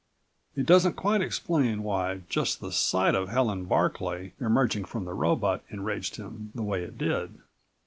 It doesn't quite explain why just the sight of Helen Barclay emerging from the robot enraged him the way it did.